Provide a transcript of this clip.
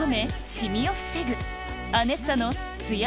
シミを防ぐアネッサのツヤ